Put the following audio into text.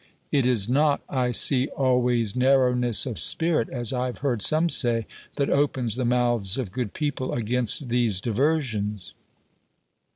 It is not, I see, always narrowness of spirit, as I have heard some say, that opens the mouths of good people against these diversions."